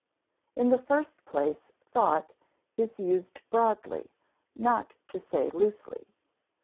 In the first place thought is used broadly, not to say loosely.